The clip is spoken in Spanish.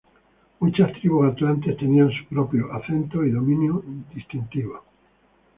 Muchas tribus atlantes tenían sus propios acentos y dominios distintivos.